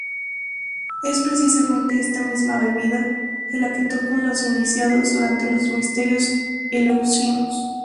Es precisamente esta misma bebida la que tomaba los iniciados durante los misterios eleusinos.